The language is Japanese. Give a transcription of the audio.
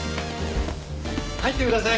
入ってください。